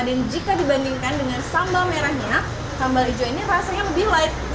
dan jika dibandingkan dengan sambal merahnya sambal hijau ini rasanya lebih light